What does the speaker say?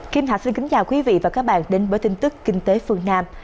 kim thạch xin kính chào quý vị và các bạn đến với tin tức kinh tế phương nam